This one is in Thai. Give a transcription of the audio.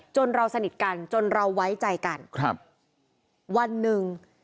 เราสนิทกันจนเราไว้ใจกันครับวันหนึ่ง